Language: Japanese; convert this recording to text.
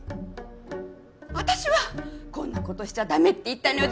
私はこんな事しちゃ駄目って言ったのよ。